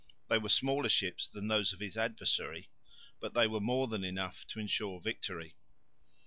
They were smaller ships than those of his adversary, but they were more than enough to ensure victory.